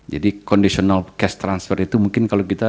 jadi conditional cash transfer itu mungkin kalau kita blt